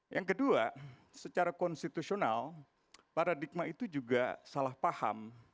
yang kedua secara konstitusional paradigma itu juga salah paham